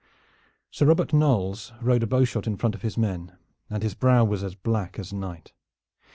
Sir Robert Knolles rode a bowshot in front of his men, and his brow was as black as night.